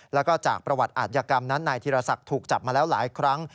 แล้วก็จากประวัติอาทยากรรมนั้นนายธีรศักดิ์ถูกจับมาแล้วหลายครั้ง